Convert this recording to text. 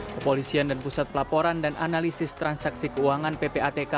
kepolisian dan pusat pelaporan dan analisis transaksi keuangan ppatk